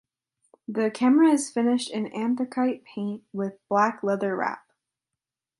The camera is finished in "Anthracite Paint" with black leather wrap.